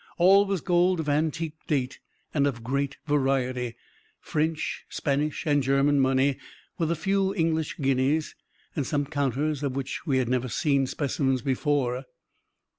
All was gold of antique date and of great variety French, Spanish, and German money, with a few English guineas, and some counters, of which we had never seen specimens before.